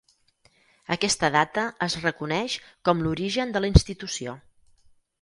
Aquesta data es reconeix com l'origen de la institució.